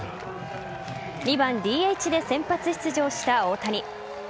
２番・ＤＨで先発出場した大谷。